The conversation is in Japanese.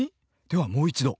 ではもう一度。